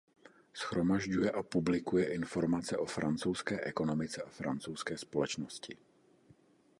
Shromažďuje a publikuje informace o francouzské ekonomice a francouzské společnosti.